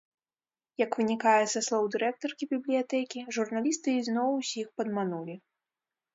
Як вынікае са слоў дырэктаркі бібліятэкі, журналісты ізноў усіх падманулі.